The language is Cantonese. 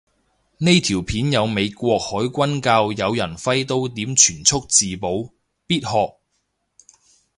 呢條片有美國海軍教有人揮刀點全速自保，必學